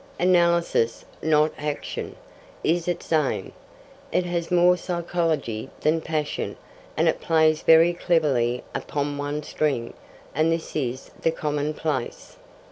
Analysis, not action, is its aim; it has more psychology than passion, and it plays very cleverly upon one string, and this is the commonplace.